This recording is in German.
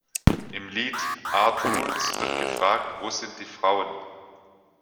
Im Lied "Art Rules" wird gefragt: „Wo sind die Frauen?